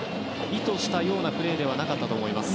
意図したようなプレーではなかったと思います。